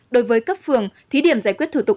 đối với cấp phường thí điểm giải quyết thủ tục